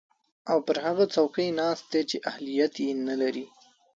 او پر هغه څوکۍ ناست دی چې اهلیت ېې نلري